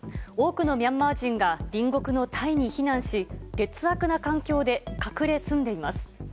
多くのミャンマー人が、隣国のタイに避難し、劣悪な環境で隠れ住んでいます。